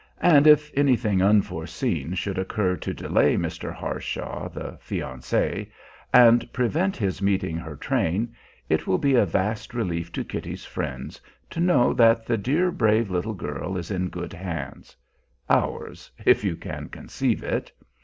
And if anything unforeseen should occur to delay Mr. Harshaw, the fiancé, and prevent his meeting her train, it will be a vast relief to Kitty's friends to know that the dear brave little girl is in good hands ours, if you can conceive it!